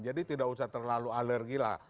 jadi tidak usah terlalu alergi lah